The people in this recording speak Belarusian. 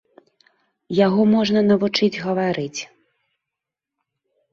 Яго можна навучыць гаварыць.